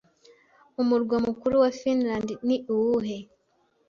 Umurwa mukuru wa Finlande ni uwuhe?